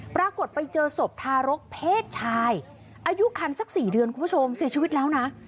ปรากฏไปเจอศพทารกเพศชายอายุคันสัก๔เดือนคุณผู้ชมเสียชีวิตแล้วนะ